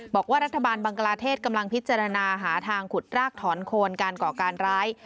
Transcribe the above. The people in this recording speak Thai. บอกว่ารัฐบาลบังกลาเทศกำลังพิจารณาหาทางขุดรากถอนโคนการก่อการร้าย